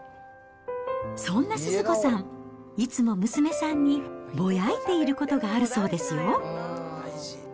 そんなスズ子さん、いつも娘さんにぼやいていることがあるそうですよ。